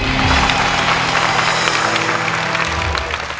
ใช้ค่ะ